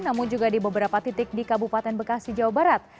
namun juga di beberapa titik di kabupaten bekasi jawa barat